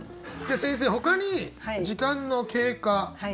先生ほかに時間の経過